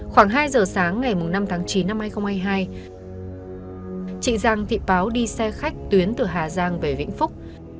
khoảng hai giờ sáng ngày năm tháng chín năm hai nghìn hai mươi hai chị giang thị báo đi xe khách tuyến từ hà giang về vĩnh phúc